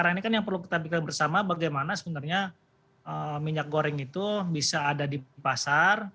karena ini kan yang perlu kita pikirkan bersama bagaimana sebenarnya minyak goreng itu bisa ada di pasar